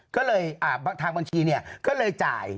ก็เลยทางบัญชีเนี่ยก็เลยจ่าย